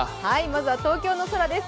まずは東京の空です。